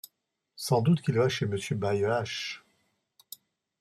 Sans doute qu’il va chez monsieur Baillehache…